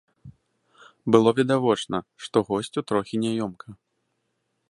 Было відавочна, што госцю трохі няёмка.